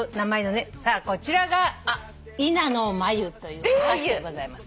さあこちらが伊那のまゆというお菓子でございます。